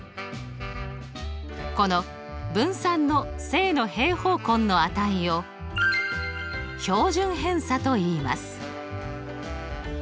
この分散の正の平方根の値を標準偏差といいます。